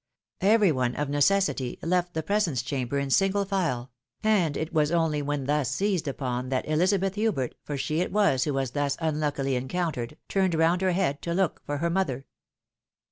Every one, of necessity, left the presence chamber in single file ; and it was only when thus seized upon that Elizabeth Hubert, for she it was who was thus unluckily encountered, turned round her head to look for her mother.